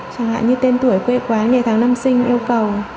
chẳng hạn như tên tuổi quê quán ngày tháng năm sinh yêu cầu